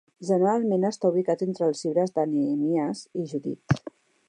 Generalment està ubicat entre els llibres de Nehemies i Judit.